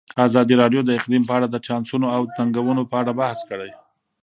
ازادي راډیو د اقلیم په اړه د چانسونو او ننګونو په اړه بحث کړی.